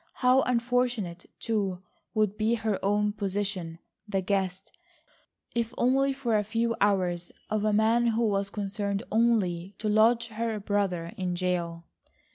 How unfortunate, too, would be her own position,—the guest, if only for a few hours, of a man who was concerned only to lodge her brother in jail.